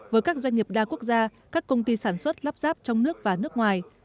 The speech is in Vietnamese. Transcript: với các doanh nghiệp đa quốc gia các công ty sản xuất lắp ráp trong nước và nước ngoài